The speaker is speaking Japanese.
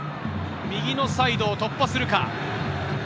右のサイドを突破するか？